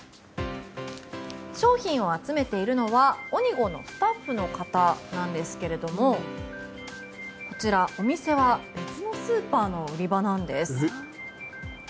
商品を集めているのはＯｎｉＧＯのスタッフの方なんですけどもこちら、お店は別のスーパーの売り場なんです。